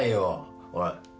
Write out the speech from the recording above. おい。